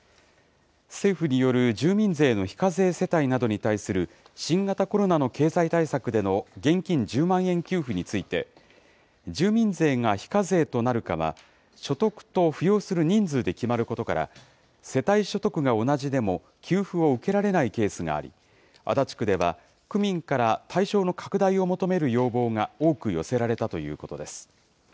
政府による住民税の非課税世帯などに対する新型コロナの経済対策での現金１０万円給付について、住民税が非課税となるかは、所得と扶養する人数で決まることから、世帯所得が同じでも給付を受けられないケースがあり、足立区では、区民から対象の拡大を求める要望が多く寄せられたということです。